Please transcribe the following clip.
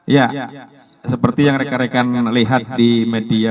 ya seperti yang rekan rekan lihat di media